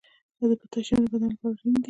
د پوتاشیم د بدن لپاره اړین دی.